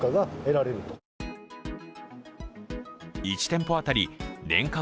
１店舗当たり年間